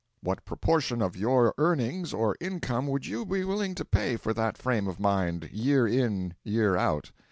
What proportion of your earnings or income would you be willing to pay for that frame of mind, year in year out?